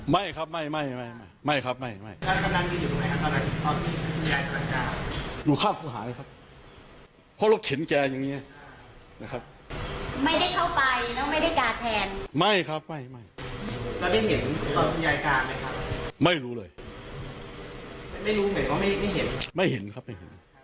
ไม่รู้เหมือนว่าไม่เห็นครับไม่เห็นครับไม่เห็น